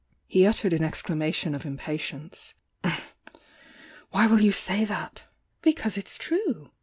He uttered an exclamation of impatience. "Why wiU you say that?" "Because it's true!"